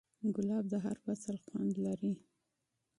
ګلاب د هر فصل خوند لري.